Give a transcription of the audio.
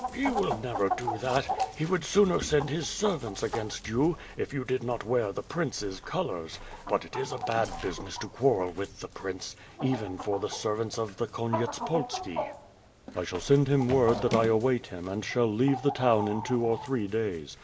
"He will never do that. He would sooner send his ser vants against you, if you did not wear the Prince's colors — ^but it is a bad business to quarrel with the Prince, even for the servants of the Konyetspolski." "I shall send him word that I await him and shall leave the town in two or three days.